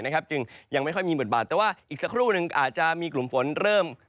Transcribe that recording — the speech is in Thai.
จึงยังไม่ค่อยมีบทบาทแต่ว่าอีกสักครู่หนึ่งอาจจะมีกลุ่มฝนเริ่ม